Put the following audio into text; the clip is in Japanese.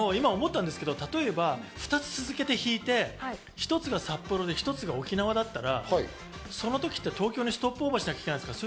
例えば２つ続けて引いて、一つが札幌で一つが沖縄だったら、そのときって東京にストップオーバーしなきゃいけないんですか？